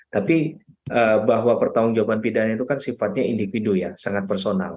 tapi bahwa pertanggung jawaban pidana itu kan sifatnya individu ya sangat personal